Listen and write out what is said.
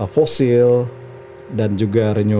fosil dan juga renewable